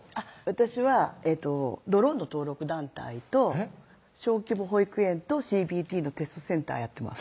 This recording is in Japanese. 私はドローンの登録団体と小規模保育園とＣＢＴのテストセンターやってます